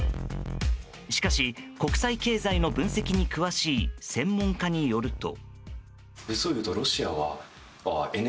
しかし、国際経済の分析に詳しい専門家によると。